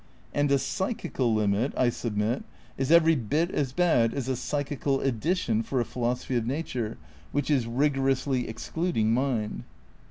And a psychical limit, I submit, is every bit as bad as a "psychical addition" for a philos ophy of nature which is rigorously excluding mind.